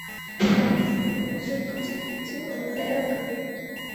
Маврикий привержен концепции экологичной экономики.